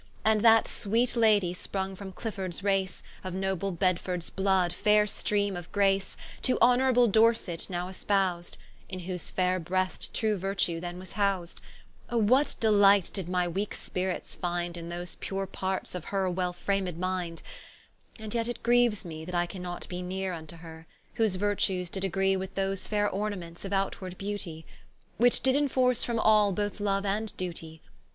And that sweet Lady sprung from Cliffords race, Of noble Bedfords blood, faire streame of Grace; To honourable Dorset now espows'd, In whose faire breast true virtue then was hous'd: Oh what delight did my weake spirits find In those pure parts of her well framed mind: And yet it grieues me that I cannot be Neere vnto her, whose virtues did agree With those faire ornaments of outward beauty, Which did enforce from all both loue and dutie.